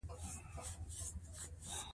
غازیان به بریالي سي.